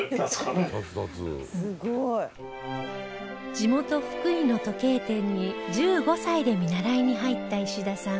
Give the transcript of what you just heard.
地元福井の時計店に１５歳で見習いに入った石田さん